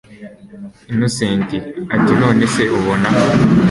Innocent atinonese ubona